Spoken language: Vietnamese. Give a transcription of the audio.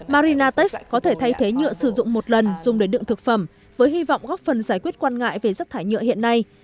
marinatex có thể thay thế nhựa sử dụng một lần dùng để đựng thực phẩm với hy vọng góp phần giải quyết quan ngại về rác thải nhựa hiện nay